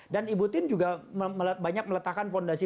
dan ibu tin juga banyak meletakkan fondasi publik